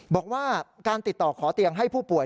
บอกว่าการติดต่อขอเตียงให้ผู้ป่วย